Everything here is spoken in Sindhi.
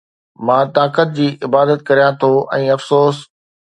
مان طاقت جي عبادت ڪريان ٿو ۽ افسوس